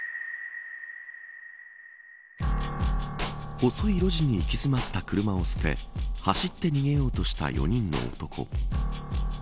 細い路地に行き詰まった車を捨て走って逃げようとした４人の男。